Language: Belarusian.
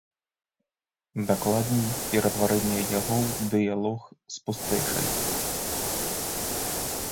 Дакладней, ператварэнне яго ў дыялог з пустэчай.